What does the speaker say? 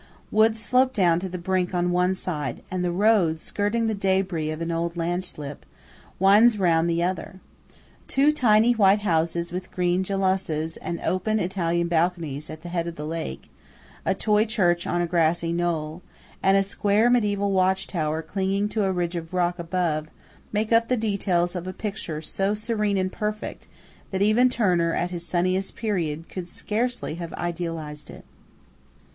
Woods slope down to the brink on one side, and the road, skirting the débris of an old landslip, winds round the other. Two tiny white houses with green jalousies and open Italian balconies at the head of the lake, a toy church on a grassy knoll, and a square mediæval watchtower clinging to a ridge of rock above, make up the details of a picture so serene and perfect that even Turner at his sunniest period could scarcely have idealized it.